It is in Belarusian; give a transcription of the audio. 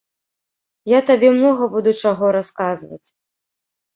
Я табе многа буду чаго расказваць.